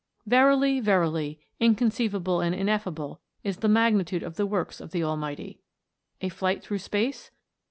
Yerily, verily, inconceivable and ineffable is the magnitude of the works of the Almighty. A flight through space?